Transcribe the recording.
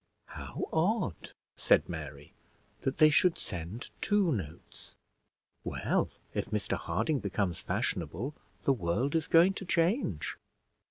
"How odd," said Mary, "that they should send two notes. Well, if Mr Harding becomes fashionable, the world is going to change."